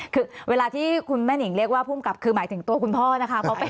คือเวลาที่คุณแม่หนิงเรียกว่าภูมิกับคือหมายถึงตัวคุณพ่อนะคะ